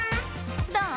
どう？